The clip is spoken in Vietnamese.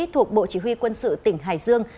thuộc bộ chỉ huy quân sự tỉnh hải dương